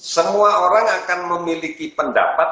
semua orang akan memiliki pendapat